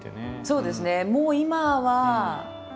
そうですね。